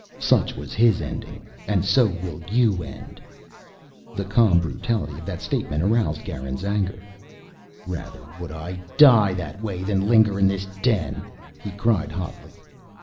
"Such was his ending, and so will you end " The calm brutality of that statement aroused Garin's anger. "Rather would I die that way than linger in this den," he cried hotly.